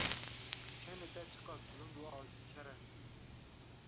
Kenê te çi qas bilind û acizker e!